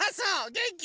げんき？